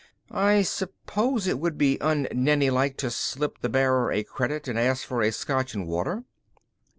I suppose it would be un Nenni like to slip the bearer a credit and ask for a Scotch and water."